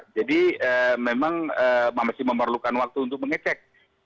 jadi memang masih memerlukan waktu untuk mengecek